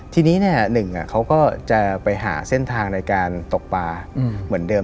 ทีนี้หนึ่งเขาก็จะไปหาเส้นทางในการตกปลาเหมือนเดิม